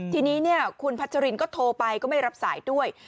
ทีนี้คุณพัชรินก็โทรไปก็ไม่รับสายด้วย